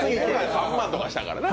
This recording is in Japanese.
３万とかしたからな。